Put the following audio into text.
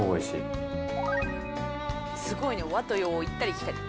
すごいね和と洋を行ったり来たり。